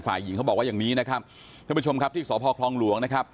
ฝ่ายหญิงเขาบอกว่าอย่างนี้นะครับท่านผู้ชมครับที่สพคลองหลวงนะครับ